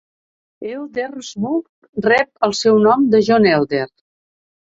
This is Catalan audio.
Eldersburg rep el seu nom de John Elder.